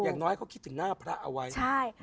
อย่างน้อยเขาคิดถึงหน้าพระเอาไว้ใช่